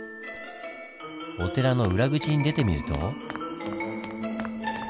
お寺の裏口に出てみると。